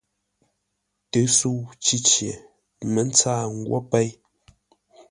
Tə́sə́u Cícye mə̌ ntsaa nghwó péi.